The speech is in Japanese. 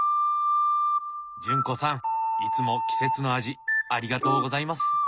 潤子さんいつも季節の味ありがとうございます。